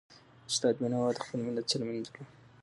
استاد بينوا د خپل ملت سره مینه درلوده.